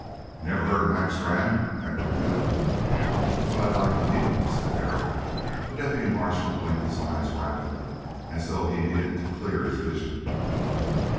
"You never heard of Mac Strann?" echoed the other. "But I'd like to meet him," said Barry. The deputy marshal blinked his eyes rapidly, as though he needed to clear his vision.